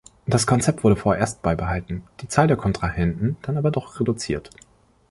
Das Konzept wurde vorerst beibehalten, die Zahl der Kontrahenten dann aber doch reduziert.